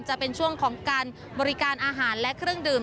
จะเป็นช่วงของการบริการอาหารและเครื่องดื่ม